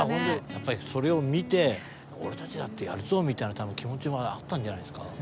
やっぱりそれを見て俺たちだってやるぞみたいな気持ちもあったんじゃないですか。